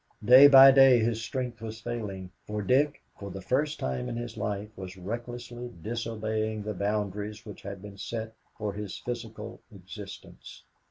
Day by day his strength was failing, for Dick, for the first time in his life, was recklessly disobeying the boundaries which had been set for his physical existence.